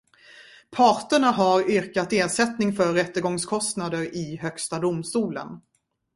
Parterna har yrkat ersättning för rättegångskostnader i Högsta domstolen.